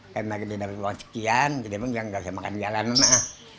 karena kita dapat uang sekian jadi memang gak usah makan jalanan lah